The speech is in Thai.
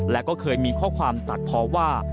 และก็เคยมีข้อความตัดเพราะว่า